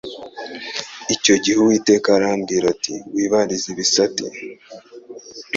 Icyo gihe Uwiteka arambwira ati Wibarize ibisate